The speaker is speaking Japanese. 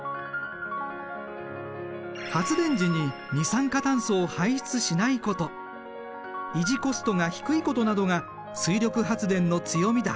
発電時に二酸化炭素を排出しないこと維持コストが低いことなどが水力発電の強みだ。